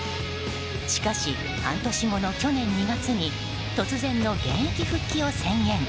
しかし、半年後の去年２月に突然の現役復帰を宣言。